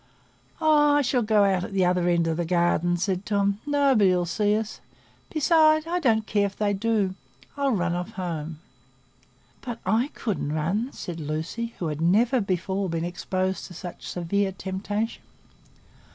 "Oh, I shall go out at the other end of the garden," said Tom. "Nobody 'ull see us. Besides, I don't care if they do,—I'll run off home." "But I couldn't run," said Lucy, who had never before been exposed to such severe temptation.